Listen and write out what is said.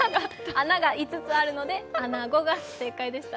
穴が５つあるので穴子が正解でした。